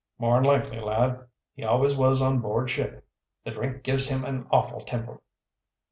"More'n likely, lad he always was on board ship. The drink gives him an awful temper."